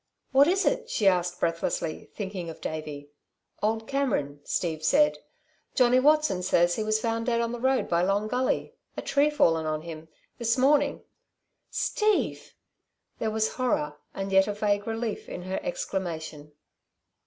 "What is it?" she asked breathlessly, thinking of Davey. "Old Cameron," Steve said. "Johnny Watson says he was found dead on the road by Long Gully a tree fallen on him this morning." "Steve!" There was horror, and yet a vague relief, in her exclamation.